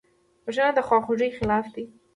وژنه د خواخوږۍ خلاف ده